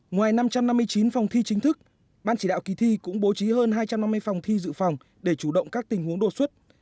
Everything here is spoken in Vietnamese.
ngoài năm trăm năm mươi chín phòng thi chính thức ban chỉ đạo kỳ thi cũng bố trí hơn hai trăm năm mươi phòng thi dự phòng để chủ động các tình huống đột xuất